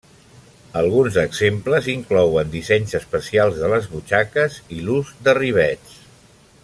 Alguns exemples inclouen dissenys especials de les butxaques i l'ús de rivets.